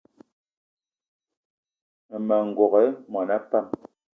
Mmema n'gogué mona pam